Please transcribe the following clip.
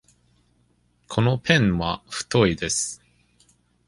このペンは太いです。